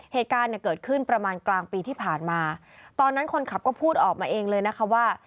เหตุการณ์เนี่ยเกิดขึ้นประมาณกลางปีที่ผ่านมาตอนนั้นคนขับก็พูดออกมาเองเลยนะคะว่า